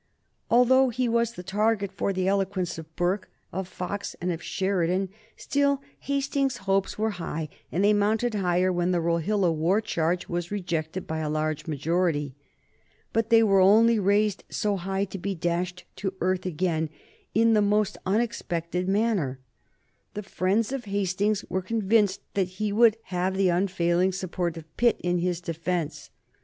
Although he was the target for the eloquence of Burke, of Fox, and of Sheridan, still Hastings's hopes were high, and they mounted higher when the Rohilla war charge was rejected by a large majority. But they were only raised so high to be dashed to earth again in the most unexpected manner. The friends of Hastings were convinced that he would have the unfailing support of Pitt in his defence.